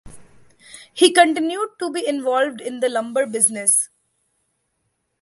He continued to be involved in the lumber business.